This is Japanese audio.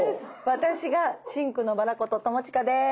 私が深紅のバラこと友近です。